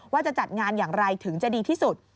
ว่าจะจัดงานอย่างไรถึงจะดีที่สุด